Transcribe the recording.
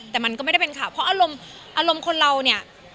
แต่โหลกอรมคนเราเนี่ย